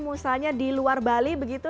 misalnya di luar bali begitu